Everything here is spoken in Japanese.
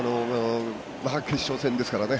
まあ、決勝戦ですからね